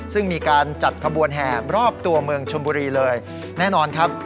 ซึ่งมีการจัดขบวนแห่รอบตัวเมืองชมบุรีเลยแน่นอนครับ